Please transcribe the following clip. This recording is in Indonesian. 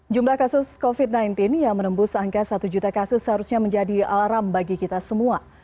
jumlah kasus covid sembilan belas yang menembus angka satu juta kasus seharusnya menjadi alarm bagi kita semua